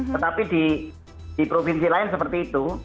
tetapi di provinsi lain seperti itu